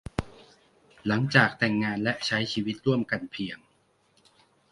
หลังจากแต่งงานและใช้ชีวิตร่วมกันเพียง